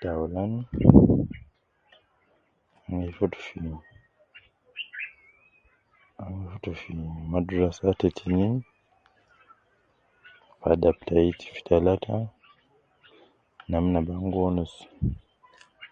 Taulan, ana gi futu fi, ana gi futu fi madrasa, te tinin fi adab tai ,te talata namna ab ana gi wonus